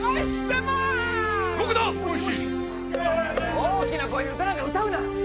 「大きな声で歌なんか歌うな！」